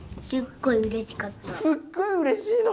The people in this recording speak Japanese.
すっごいうれしいのかぁ。